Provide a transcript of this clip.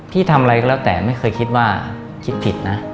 ทำอะไรก็แล้วแต่ไม่เคยคิดว่าคิดผิดนะ